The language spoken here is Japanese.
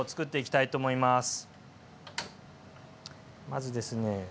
まずですね